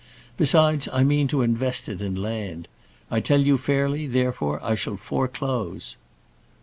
Besides, I mean to invest it in land. I tell you fairly, therefore, I shall foreclose."